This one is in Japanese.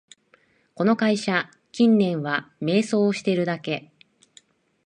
この会社、近年は迷走してるだけ